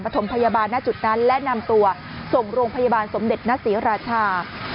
ถมพยาบาลณจุดนั้นและนำตัวส่งโรงพยาบาลสมเด็จนศรีราชา